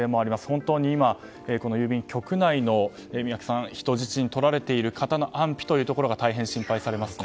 本当にこの郵便局内の宮家さん、人質にとられている方の安否が大変心配されますね。